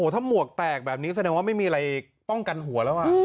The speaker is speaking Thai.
ถ้าหมวกแตกแบบนี้แสดงว่าไม่มีอะไรป้องกันหัวแล้ว